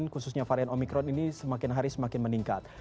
khususnya varian omikron ini semakin hari semakin meningkat